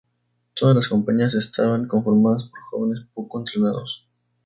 Todas las compañías estaban conformadas por jóvenes poco entrenados.